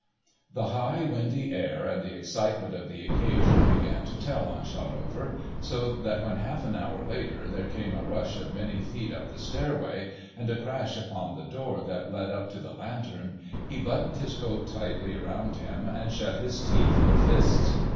The high, windy air and the excitement of the occasion began to tell on Shotover, so that when half an hour later there came a rush of many feet up the stairway, and a crash upon the door that led up to the lantern, he buttoned his coat tightly around him, and shut his teeth and fists.